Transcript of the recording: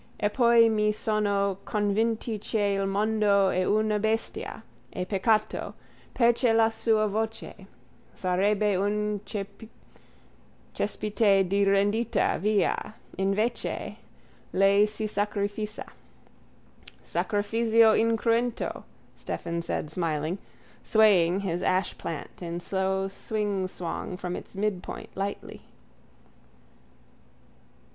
Eppoi mi sono convinto che il mondo è una bestia. È peccato. Perchè la sua voce... sarebbe un cespite di rendita, via. Invece, Lei si sacrifica._ —Sacrifizio incruento, Stephen said smiling, swaying his ashplant in slow swingswong from its midpoint, lightly.